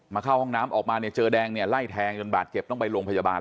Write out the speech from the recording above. เข้าห้องน้ำออกมาเนี่ยเจอแดงเนี่ยไล่แทงจนบาดเจ็บต้องไปโรงพยาบาล